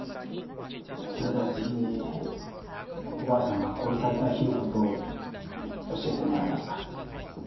それでは次におばあさんが殺された日の事を教えてもらえますか？